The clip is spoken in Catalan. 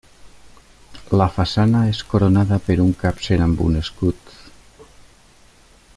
La façana és coronada per un capcer amb un escut.